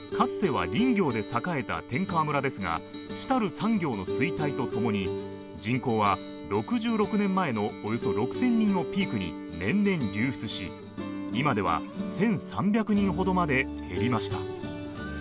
つては林業で栄えた天川村ですが主たる産業の衰退とともに人口は６６年前のおよそ６０００人をピークに年々流出し今では１３００人ほどまで減りました